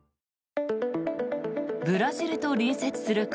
ブラジルと隣接する国